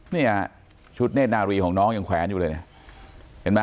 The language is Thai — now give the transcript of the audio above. นี่ชุดเนธนารีย์ของน้องยังแขวนอยู่เลย